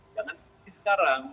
jangan seperti sekarang